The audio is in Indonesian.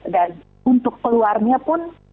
dan untuk keluarnya pun